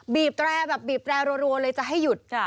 แตรแบบบีบแตรรัวเลยจะให้หยุด